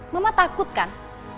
mama takut kan